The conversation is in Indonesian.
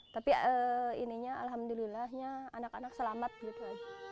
tapi ininya alhamdulillahnya anak anak selamat gitu